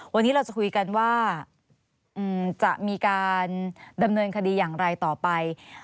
วันนี้เราจะคุยกันว่าจะมีการดำเนินคดีอย่างไรต่อไป